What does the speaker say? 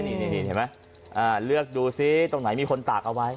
นี่เห็นไหมเลือกดูซิตรงไหนมีคนตากเอาไว้